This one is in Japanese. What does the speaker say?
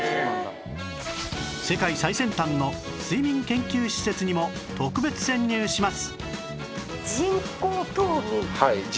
世界最先端の睡眠研究施設にも特別潜入します！